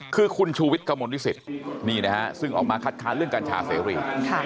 คือคุณชูวิทย์กระมวลวิสิตนี่นะฮะซึ่งออกมาคัดค้านเรื่องกัญชาเสรี